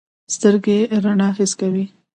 سترګې رڼا حس کوي.